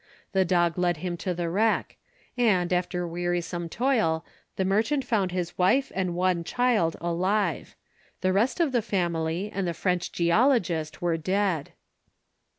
The dog led him to the wreck; and, after wearisome toil, the merchant found his wife and one child alive. The rest of the family, and the French geologist, were dead.